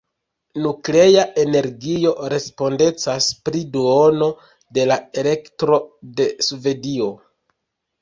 Nuklea energio respondecas pri duono de la elektro de Svedio.